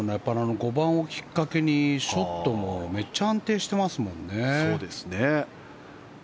５番をきっかけにショットもめっちゃ安定してますもんね。